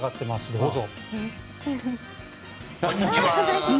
どうぞ。